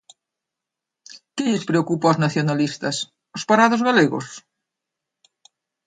¿Que lles preocupa aos nacionalistas: os parados galegos?